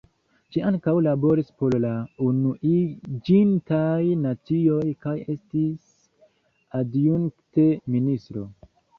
Ŝi ankaŭ laboris por la Unuiĝintaj Nacioj kaj estis adjunkt-ministro.